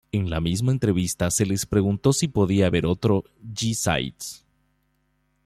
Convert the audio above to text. En la misma entrevista, se les preguntó si podía haber otro "G-Sides".